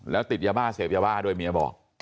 แล้วติดยาบ้าเสพยาบ้าด้วยเมียบอก